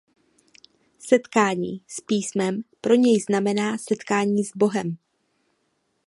Setkání s Písmem pro něj znamená setkání s Bohem.